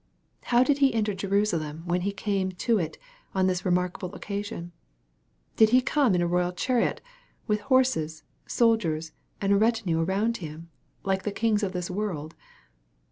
How did He enter Jerusalem wb^o He came to it on this remarkable occasion ? Did He come in a royal chariot, with horses, soldiers, and a retinue around Him, like the kings of this world